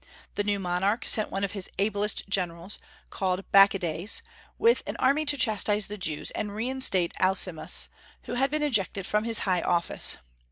The new monarch sent one of his ablest generals, called Bacchides, with an army to chastise the Jews and reinstate Alcimus, who had been ejected from his high office.